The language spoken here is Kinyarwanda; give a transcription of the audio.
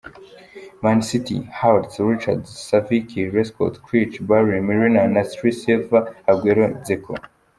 Man City: Hart, Richards, Savic, Lescott, Clichy, Barry, Milner, Nasri, Silva, Aguero, Dzeko.